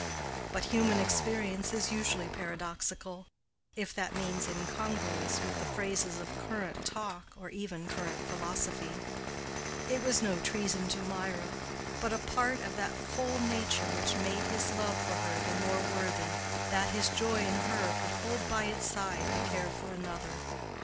But human experience is usually paradoxical, if that means incongruous with the phrases of current talk or even current philosophy. It was no treason to Mirah, but a part of that full nature which made his love for her the more worthy, that his joy in her could hold by its side the care for another.